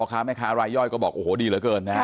อ๋อค่ะไม่ค่ะรายย่อยก็บอกโอ้โหดีเหลือเกิน